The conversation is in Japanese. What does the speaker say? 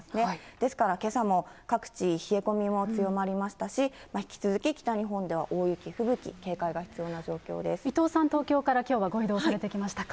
ですから、けさも各地冷え込みも強まりましたし、引き続き北日本では大雪、吹雪、伊藤さん、きょうは東京からご移動されてきましたが。